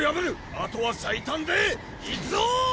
あとは最短でいくぞ！